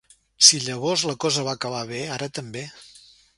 Si llavors la cosa va acabar bé, ara també.